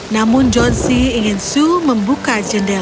namun johnsy ingin su membuka jendela